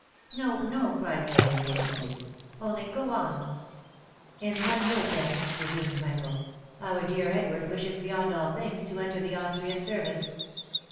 " No, no !" cried Mary impatiently, "only, go on !"" In one word, then," resumed Michael, " our dear Edward wishes beyond all things to enter the Austrian service."